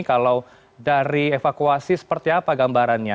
kalau dari evakuasi seperti apa gambarannya